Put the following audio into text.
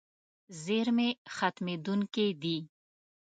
زیرمې ختمېدونکې دي.